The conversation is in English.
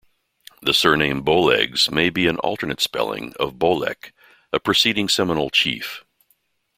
The surname "Bowlegs" may be an alternate spelling of "Bolek", a preceding Seminole chief.